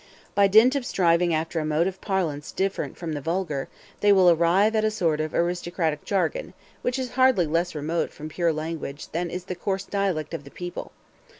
By dint of striving after a mode of parlance different from the vulgar, they will arrive at a sort of aristocratic jargon, which is hardly less remote from pure language than is the coarse dialect of the people.